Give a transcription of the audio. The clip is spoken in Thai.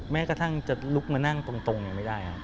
แม้กระทั่งจะลุกมานั่งตรงไม่ได้ครับ